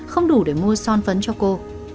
không đủ để mua son phấn cho cô